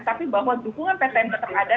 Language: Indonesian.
tapi bahwa dukungan ppn tetap ada